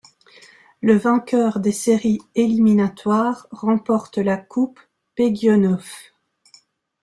Le vainqueur des séries éliminatoires remporte la Coupe Peguionov.